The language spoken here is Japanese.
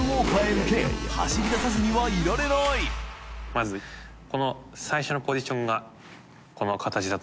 まずこの最初のポジションが海侶舛世